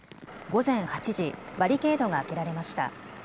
午前８時、バリケードが開けられました。